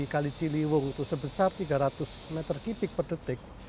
kali ciliwung itu sebesar tiga ratus meter kipik per detik